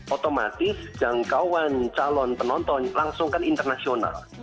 otomatis jangkauan calon penonton langsung kan internasional